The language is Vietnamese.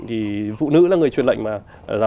thì phụ nữ là người truyền lệnh mà